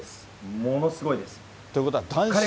ものすごいです。